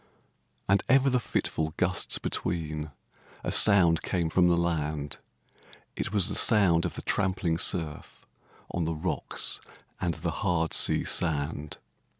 And ever the fitful gusts between A sound came from the land; It was the sound of the trampling surf, On the rocks and the hard sea sand.